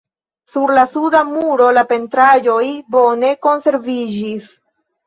Sur la suda muro la pentraĵoj bone konserviĝis.